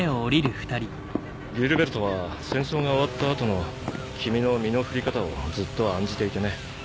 ギルベルトは戦争が終わった後の君の身の振り方をずっと案じていてね。